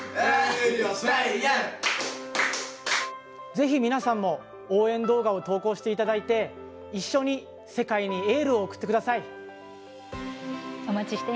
ぜひ皆さんも応援動画を投稿していただいて、一緒に世界にエールを送ってください。